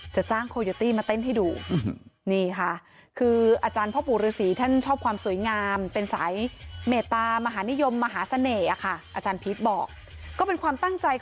จะจ้างโคโยตี้มาเต้นให้ดูนี่ค่ะคืออาจารย์พ่อปู่ฤษีท่านชอบความสวยงาม